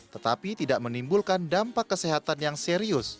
tetapi tidak menimbulkan dampak kesehatan yang serius